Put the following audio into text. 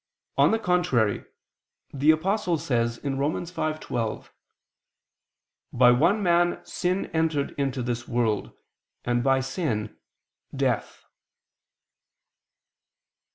On the contrary, The Apostle says (Rom. 5:12), "By one man sin entered into this world, and by sin death."